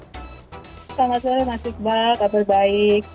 halo selamat sore mbak ciput apa kabar baik